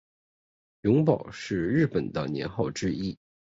永保是日本的年号之一。